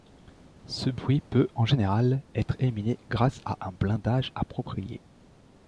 Ce bruit peut, en général, être éliminé grâce à un blindage approprié.